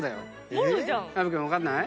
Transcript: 全然分かんない。